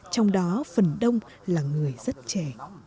trong đó phần đông là người rất trẻ